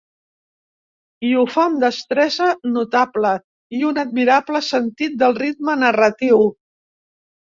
I ho fa amb destresa notable i un admirable sentit del ritme narratiu.